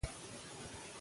موږ ډېر معلومات نه لرو.